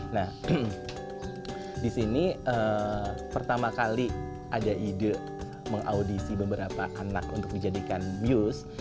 nah di sini pertama kali ada ide mengaudisi beberapa anak untuk dijadikan muse